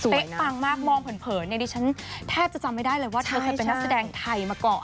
ปังมากมองเผินเนี่ยดิฉันแทบจะจำไม่ได้เลยว่าเธอเคยเป็นนักแสดงไทยมาก่อน